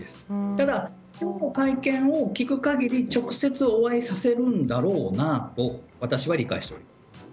ただ、今日の会見を聞く限り直接お会いさせるんだろうなと私は理解しております。